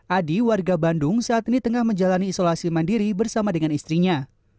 adi warga bandung saat ini tengah menjalani isolasi mandiri bersama dengan istrinya